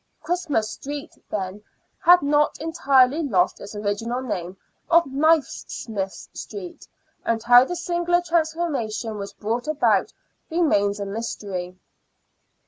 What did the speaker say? (Christmas Street had not then entirely lost its original name of Knifesmiths Street, and how the singular transformation was brought about remains a mystery.)